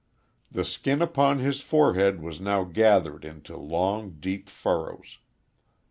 The skin upon his forehead was now gathered into long, deep furrows.